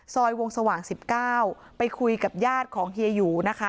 ซอยวงสว่าง๑๙ไปคุยกับญาติของเฮียหยูนะคะ